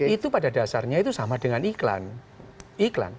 itu pada dasarnya itu sama dengan iklan